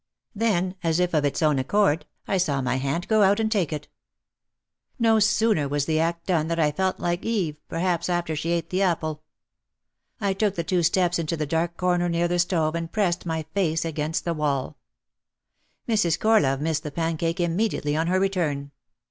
Then, as if of its own accord, I saw my hand go out and take it. No sooner was the act done than I felt like Eve, per haps, after she ate the apple. I took the two steps into the dark corner near the stove and pressed my face against the wall. Mrs. Corlove missed the pancake immediately on her return.